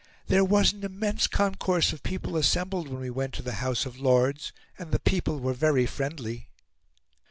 There was an immense concourse of people assembled when we went to the House of Lords, and the people were very friendly."